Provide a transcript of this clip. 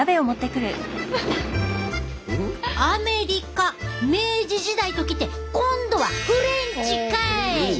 アメリカ明治時代と来て今度はフレンチかい！